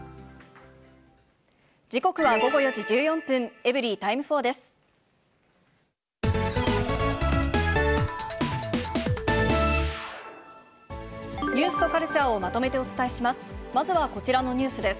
時刻は午後４時１４分、エブリィタイム４です。